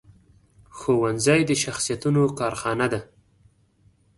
ښوونځی د شخصیتونو کارخانه ده